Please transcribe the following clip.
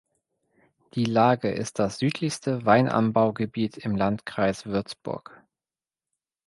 Die Lage ist das südlichste Weinanbaugebiet im Landkreis Würzburg.